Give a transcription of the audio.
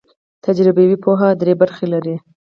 تجربوي پوهه درې برخې لري.